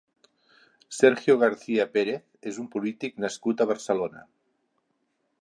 Sergio García Pérez és un polític nascut a Barcelona.